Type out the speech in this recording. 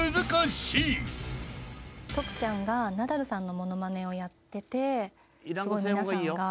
徳ちゃんがナダルさんのモノマネをやってて皆さんが。